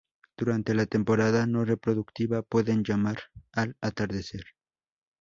Durante la temporada no reproductiva, pueden llamar al atardecer.